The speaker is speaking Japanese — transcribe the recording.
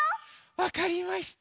わかりました。